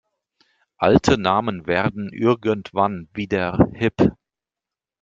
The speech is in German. Alte Namen werden irgendwann wieder hip.